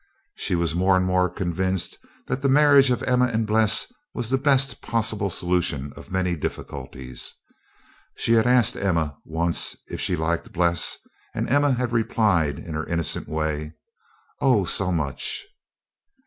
She was more and more convinced that the marriage of Emma and Bles was the best possible solution of many difficulties. She had asked Emma once if she liked Bles, and Emma had replied in her innocent way, "Oh, so much."